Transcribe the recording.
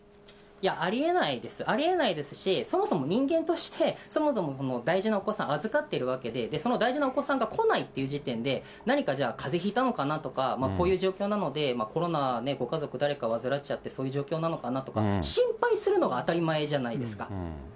ありえないですし、そもそも人間として、そもそも大事なお子さん預かってるわけで、その大事なお子さんが来ないっていう時点で何かじゃあ、かぜひいたのかなとか、こういう状況なので、コロナ、ご家族誰かが患っちゃって、そういう状況なのかって心配するのが当たり前じゃないですか。